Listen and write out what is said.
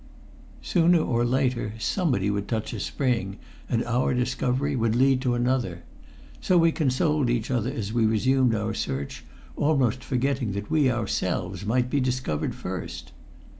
Sooner or later somebody would touch a spring, and one discovery would lead to another. So we consoled each other as we resumed our search, almost forgetting that we ourselves might be discovered first.